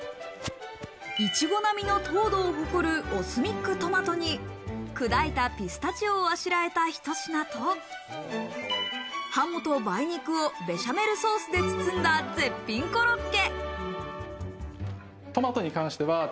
いちご並みの糖度を誇るオスミックトマトに砕いたピスタチオをあしらえたひと品と鱧と梅肉をベシャメルソースで包んだ絶品コロッケ。